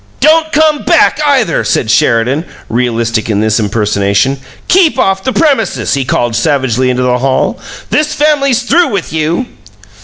"Don't come back, either!" said, Sheridan, realistic in this impersonation. "Keep off the premises!" he called savagely into the hall. "This family's through with you!"